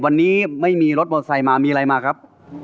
วันนี้ไม่มีรถมอไซค์มามีอะไรมาครับ